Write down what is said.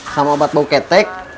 sama obat bau ketek